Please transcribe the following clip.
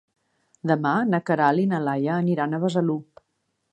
Demà na Queralt i na Laia aniran a Besalú.